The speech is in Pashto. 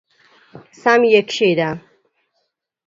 سم یې کښېږده !